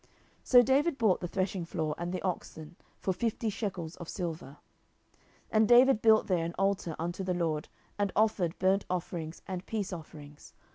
So David bought the threshingfloor and the oxen for fifty shekels of silver. 10:024:025 And David built there an altar unto the LORD, and offered burnt offerings and peace offerings.